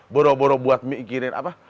boro boro buat mikirin apa